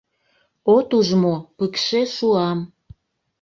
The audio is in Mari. От уж мо, пыкше шуам?